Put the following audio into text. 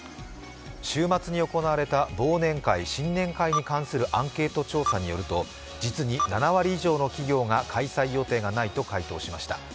週末に行われた忘年会、新年会に関するアンケート調査によると実に７割以上の企業が開催予定がないと回答しました。